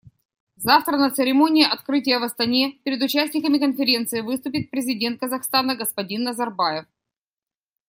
Завтра на церемонии открытия в Астане перед участниками Конференции выступит Президент Казахстана господин Назарбаев.